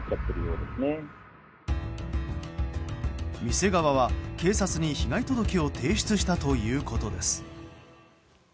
店側は、警察に被害届を提出したということです。